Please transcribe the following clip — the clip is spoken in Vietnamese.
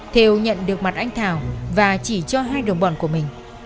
theo nhận được mặt anh thảo và chỉ cho hai đồng bọn của mình